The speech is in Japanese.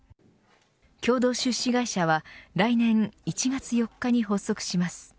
共同出資会社は来年、１月４日に発足します。